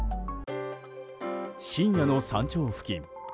深夜の山頂付近。